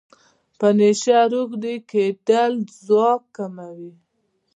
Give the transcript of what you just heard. په نشه روږدی کیدل ځواک کموي.